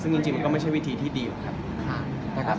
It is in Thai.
ซึ่งจริงมันก็ไม่ใช่วิธีที่ดีนะครับ